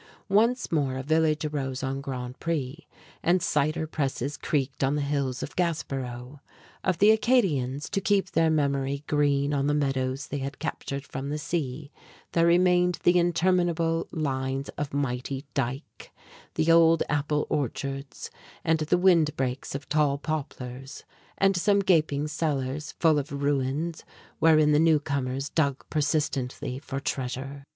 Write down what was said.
Once more a village arose on Grand Pré, and cider presses creaked on the hills of Gaspereau. Of the Acadians, to keep their memory green on the meadows they had captured from the sea, there remained the interminable lines of mighty dike, the old apple orchards and the wind breaks of tall poplars, and some gaping cellars full of ruins wherein the newcomers dug persistently for treasure.